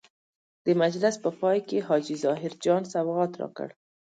د مجلس په پای کې حاجي ظاهر جان سوغات راکړ.